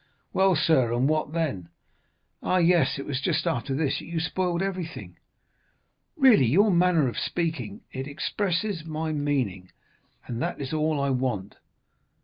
"Well, sir, and what then?" "Ah, yes, it was just after this that you spoiled everything." "Really, your manner of speaking——" "It expresses my meaning, and that is all I want.